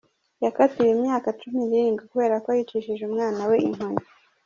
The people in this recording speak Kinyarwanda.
Yakatiwe imyaka cumi nirindwe kubera ko yicishije umwana we inkoni